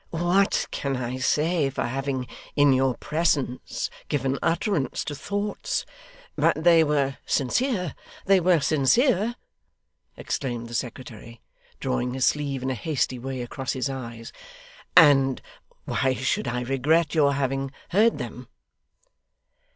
'What can I say for having in your presence given utterance to thoughts but they were sincere they were sincere!' exclaimed the secretary, drawing his sleeve in a hasty way across his eyes; 'and why should I regret your having heard them?